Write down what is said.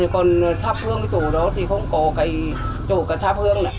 còn tháp hương chỗ đó thì không có chỗ cả tháp hương